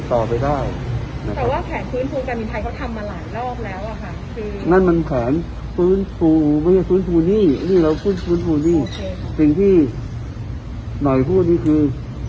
ก็ทำมาหลายรอบแล้วอ่ะค่ะนั่นมันแผนสึ่งที่หน่อยพูดนี่คือ